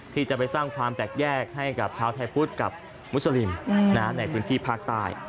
ที่จะไปสร้างความแตกแยกให้กับชาวไทยพุทธกับมุสลิมในพื้นที่ภาคใต้